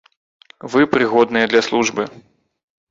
Вы прыгодныя для службы.